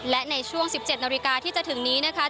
และในช่วง๑๗นาฬิกาที่จะถึงนี้นะคะ